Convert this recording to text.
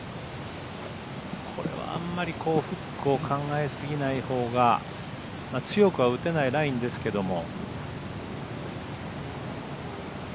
これはあんまりフックを考えすぎないほうが強くは打てないラインですけども。